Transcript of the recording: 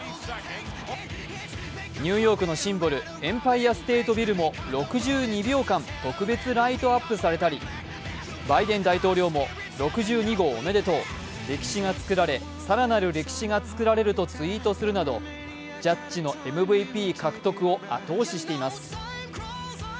ニューヨークのシンボル、エンパイアステートビルも６２秒間特別ライトアップされたりバイデン大統領も６２号おめでとう、歴史が作られ、更なる歴史が作られるとツイートするなどジャッジのＭＶＰ獲得を後押ししています。